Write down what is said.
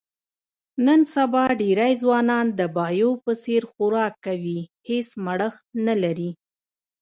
نن سبا ډېری ځوانان د یابو په څیر خوراک کوي، هېڅ مړښت نه لري.